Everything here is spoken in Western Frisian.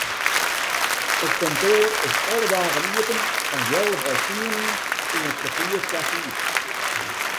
It kantoar is alle dagen iepen fan healwei tsienen oant kertier foar fiven.